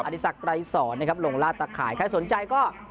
อดิษรไกรศรนะครับหลวงราตะข่ายใครสนใจก็